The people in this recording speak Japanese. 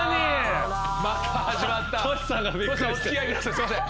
すいません。